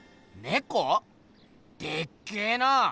でっけえな！